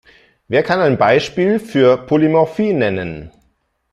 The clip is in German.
Wer kann ein Beispiel für Polymorphie nennen?